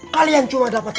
kalian cuma dapat